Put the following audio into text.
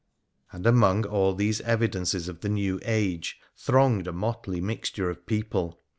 And among all these evidences of the new age thronged a motley mixture of people.